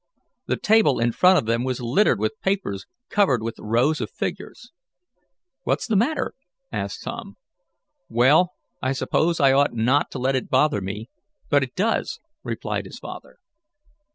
The table in front of them was littered with papers covered with rows of figures. "What's the matter?" asked Tom. "Well, I suppose I ought not to let it bother me, but it does," replied his father.